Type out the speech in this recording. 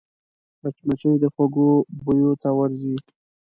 مچمچۍ د خوږو بویو ته ورځي